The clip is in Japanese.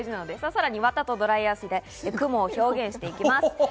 さらに綿とドライアイスで雲を表現していきます。